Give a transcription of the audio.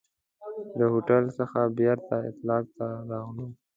د هوټل څخه بیرته اطاق ته راغلو.